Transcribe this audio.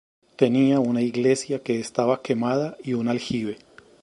Tenía una iglesia que estaba quemada y un aljibe.